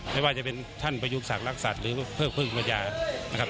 ไม่ว่าจะเป็นท่านประยุกต์ศักดิ์รักษัตริย์หรือเพิ่มภึกมัญญานะครับ